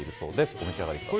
お召し上がりください。